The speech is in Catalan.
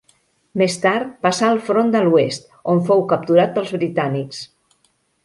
Més tard passà al front de l'oest, on fou capturat pels britànics.